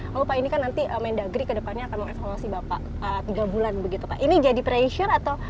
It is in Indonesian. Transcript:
lalu pak ini kan nanti mendagri kedepannya akan mengevaluasi bapak tiga bulan begitu pak ini jadi pressure atau